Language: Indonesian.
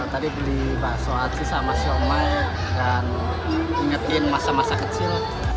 tadi beli bakso aci sama siomay dan ingetin masa masa kecil